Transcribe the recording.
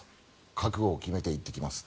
覚悟を決めて行ってきますと。